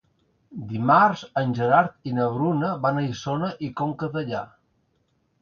Dimarts en Gerard i na Bruna van a Isona i Conca Dellà.